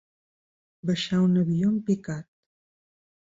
Baixar un avió en picat.